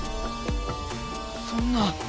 そんな！